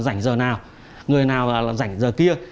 rảnh giờ nào người nào rảnh giờ kia